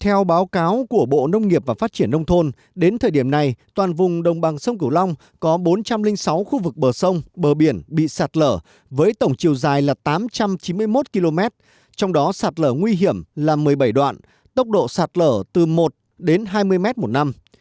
theo báo cáo của bộ nông nghiệp và phát triển nông thôn đến thời điểm này toàn vùng đồng bằng sông cửu long có bốn trăm linh sáu khu vực bờ sông bờ biển bị sạt lở với tổng chiều dài là tám trăm chín mươi một km trong đó sạt lở nguy hiểm là một mươi bảy đoạn tốc độ sạt lở từ một đến hai mươi mét một năm